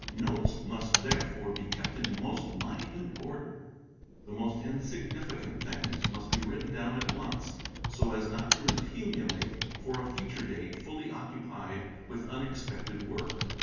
Notes must therefore be kept in most minute order, the most insignificant; things ! must be written down at once, so as not to accumulate for a future date fully occupied with unexpected work.